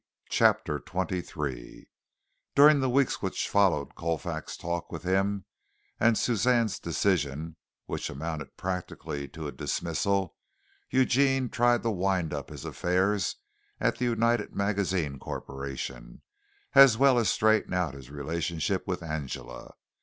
CHAPTER XXIII During the weeks which followed Colfax's talk with him, and Suzanne's decision, which amounted practically to a dismissal, Eugene tried to wind up his affairs at the United Magazines Corporation, as well as straighten out his relationship with Angela.